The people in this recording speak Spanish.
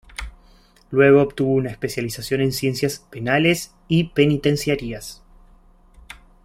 Luego obtuvo una especialización en ciencias penales y penitenciarias.